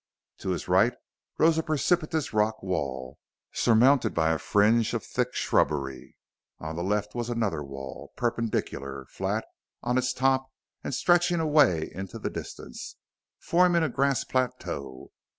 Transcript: To his right rose a precipitous rock wall surmounted by a fringe of thick shrubbery. On the left was another wall, perpendicular, flat on its top and stretching away into the distance, forming a grass plateau.